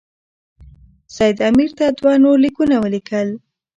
سید امیر ته دوه نور لیکونه ولیکل.